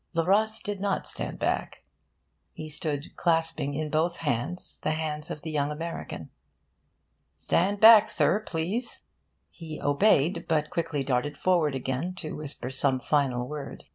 Le Ros did not stand back. He stood clasping in both hands the hands of the young American. 'Stand back, sir, please!' He obeyed, but quickly darted forward again to whisper some final word.